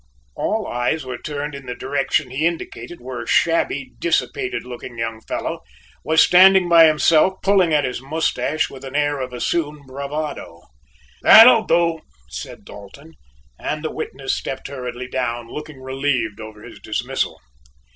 All eyes were turned in the direction he indicated where a shabby, dissipated looking young fellow was standing by himself pulling at his mustache with an air of assumed bravado. "That will do," said Dalton, and the witness stepped hurriedly down, looking relieved over his dismissal.